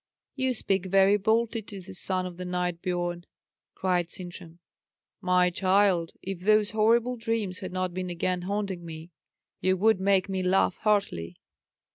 "You speak very boldly to the son of the knight Biorn," cried Sintram. "'My child!' If those horrible dreams had not been again haunting me, you would make me laugh heartily."